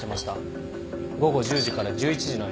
午後１０時から１１時の間です。